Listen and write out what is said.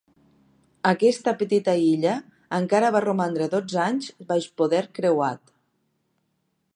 Aquesta petita illa encara va romandre dotze anys baix poder creuat.